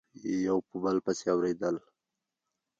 یو په بل پسي اوریدل